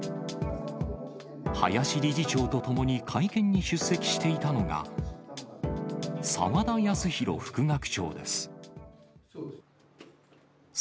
林理事長と共に会見に出席していたのが、澤田康広副学長です。